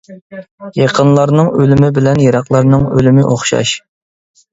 يېقىنلارنىڭ ئۆلۈمى بىلەن يىراقلارنىڭ ئۆلۈمى ئوخشاش.